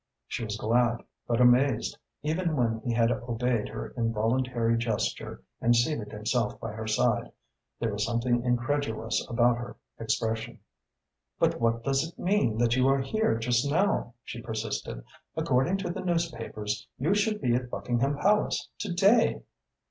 She was glad but amazed. Even when he had obeyed her involuntary gesture and seated himself by her side, there was something incredulous about her expression. "But what does it mean that you are here just now?" she persisted. "According to the newspapers you should be at Buckingham Palace to day."